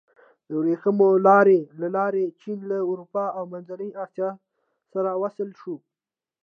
د ورېښمو لارې له لارې چین له اروپا او منځنۍ اسیا سره وصل شو.